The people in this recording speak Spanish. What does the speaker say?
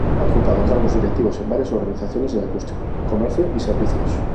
Ha ocupado cargos directivos en varias organizaciones de la industria, comercio y servicios.